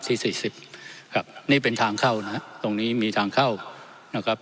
สี่สิบครับนี่เป็นทางเข้านะฮะตรงนี้มีทางเข้านะครับ